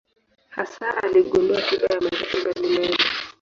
Hasa aligundua tiba ya maradhi mbalimbali.